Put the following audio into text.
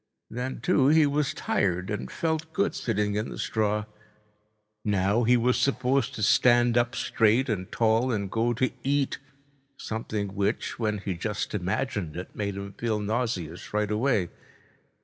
Then, too, he was tired and felt good sitting in the straw. Now he was supposed to stand up straight and tall and go to eat, something which, when he just imagined it, made him feel nauseous right away.